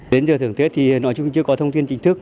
đến giờ thưởng tết thì nói chung chưa có thông tin chính thức